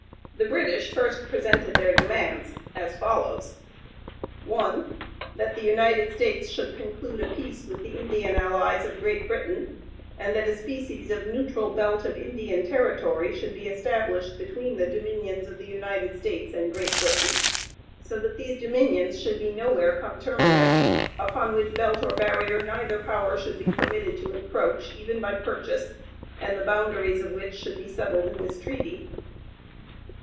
The British first presented their demands, as follows: 1. That the United States should conclude a peace with the Indian allies of Great Britain, and that a species of neutral belt of Indian territory should be established between the dominions of the United States and Great Britain, so that these dominions should be nowhere conterminous, upon which belt or barrier neither power should be permitted to encroach even by purchase, and the boundaries of which should be settled in this treaty.